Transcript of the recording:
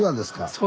そう。